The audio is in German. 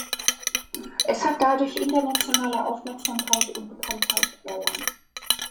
Es hat dadurch internationale Aufmerksamkeit und Bekanntheit erlangt.